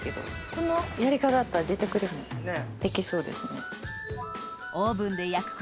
このやり方だったら自宅でもできそうですね。